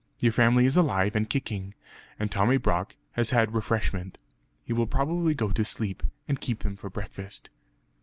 Your family is alive and kicking; and Tommy Brock has had refreshment. He will probably go to sleep, and keep them for breakfast."